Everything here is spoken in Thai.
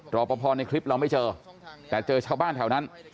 รอปภในคลิปเราไม่เจอแต่เจอชาวบ้านแถวนั้น